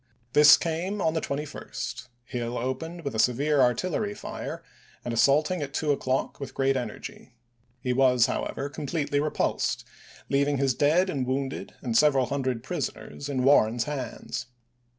This came on the 21st ; Hill opening with a severe artillery fire Aug., im, and assaulting at two o'clock with great energy. He was, however, completely repulsed, leaving his dead and wounded and several hundred prisoners in Warren's hands.